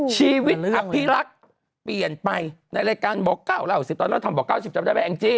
ชีวิตอภิรักษ์เปลี่ยนไปในรายการบอก๙เล่า๑๐ตอนเราทำบอก๙๐จำได้ไหมแองจี้